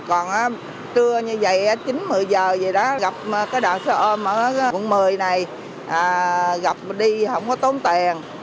còn trưa như vậy á chín một mươi giờ vậy đó gặp cái đoạn xe ôm ở quận một mươi này gặp đi không có tốn tiền